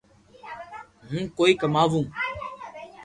ھون ڪوئي ڪماوُ